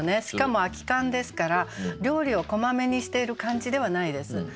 しかも「空き缶」ですから料理をこまめにしている感じではないです。